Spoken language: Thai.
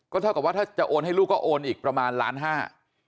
เท่ากับว่าถ้าจะโอนให้ลูกก็โอนอีกประมาณล้านห้า